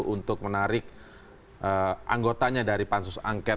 untuk menarik anggotanya dari pansus angket